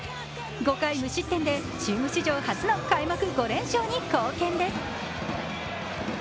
５回無失点でチーム史上初めての開幕５連勝に貢献です。